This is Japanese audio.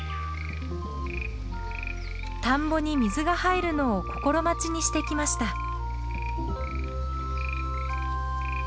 田んぼに水が入るのを心待ちにしてきました。